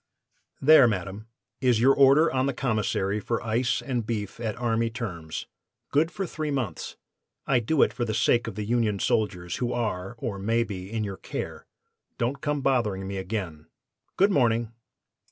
"'There, madam, is your order on the Commissary for ice and beef at army terms, good for three months. I do it for the sake of the Union Soldiers who are, or may be, in your care. Don't come bothering me again. Good morning!